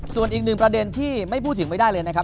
ส่วนอีกหนึ่งประเด็นที่ไม่พูดถึงไม่ได้เลยนะครับ